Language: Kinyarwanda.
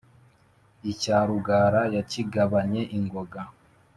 icya rugara yakigabanye ingoga